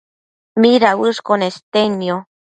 midauësh nestednio?